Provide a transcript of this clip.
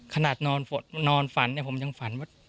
ขนาดนอนฝันเนี่ยผมยังฝันว่า